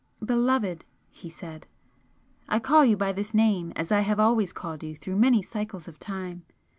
"Beloved!" he said "I call you by this name as I have always called you through many cycles of time!